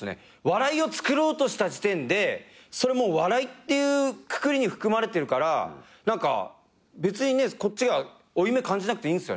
笑いをつくろうとした時点で笑いっていうくくりに含まれてるから何か別にこっちが負い目感じなくていいんすよね。